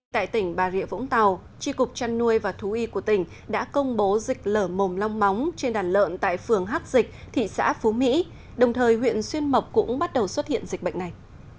tại tỉnh bà rịa vũng tàu tri cục trăn nuôi và thú y của tỉnh đã công bố dịch lở mồm long móng trên đàn lợn tại phường hát dịch thị xã phú mỹ đồng thời huyện xuyên mộc cũng bắt đầu xuất hiện dịch bệnh này